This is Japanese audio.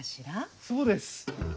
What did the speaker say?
そうです。